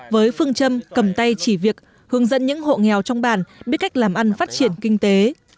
với phương châm cầm tay chỉ việc hướng dẫn những hộ nghèo trong bàn biết cách làm ăn phát triển kinh tế